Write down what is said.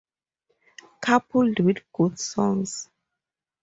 Coupled with good songs.